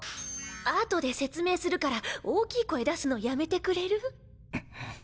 後で説明するから大きい声出すのやめてくれる？